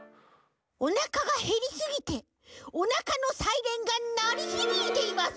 おなかがへりすぎておなかのサイレンがなりひびいています。